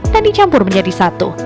dan dicampur menjadi satu